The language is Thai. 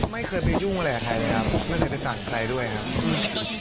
ไม่เคยมียุ่งอะไรแหละครับไม่เคยไปสั่งใครด้วยนะครับ